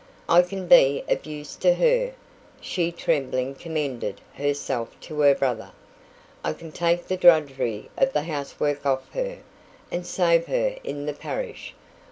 "I can be of use to her," she tremblingly commended herself to her brother. "I can take the drudgery of the housework off her, and save her in the parish."